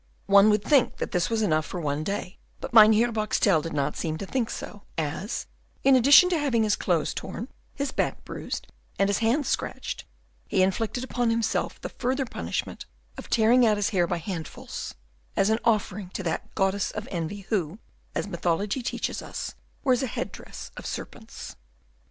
One would think that this was enough for one day, but Mynheer Boxtel did not seem to think so, as, in addition to having his clothes torn, his back bruised, and his hands scratched, he inflicted upon himself the further punishment of tearing out his hair by handfuls, as an offering to that goddess of envy who, as mythology teaches us, wears a head dress of serpents.